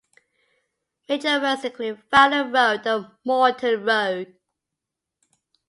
Major roads include Fowler Road and Moreton Road.